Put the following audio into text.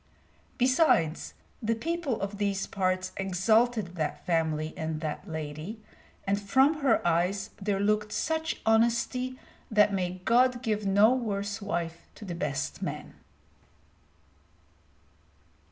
Besides, the people of these parts exalted that family and that lady, and from her eyes there looked such honesty that may God give no worse wife to the best man.